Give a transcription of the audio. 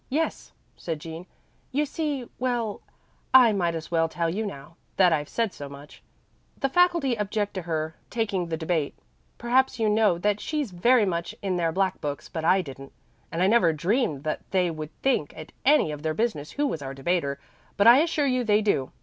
"Yes," said Jean. "You see well, I might as well tell you now, that I've said so much. The faculty object to her taking the debate. Perhaps you know that she's very much in their black books but I didn't. And I never dreamed that they would think it any of their business who was our debater, but I assure you they do.